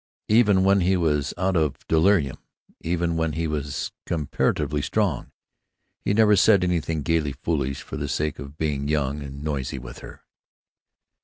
Even when he was out of delirium, even when he was comparatively strong, he never said anything gaily foolish for the sake of being young and noisy with her.